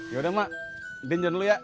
yaudah mak din jalan dulu ya